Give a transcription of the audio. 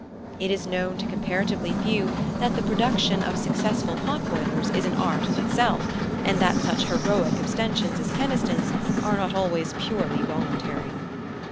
It is known to comparatively few that the production of successful pot boilers is an art in itself, and that such heroic abstentions as Keniston's are not always purely voluntary.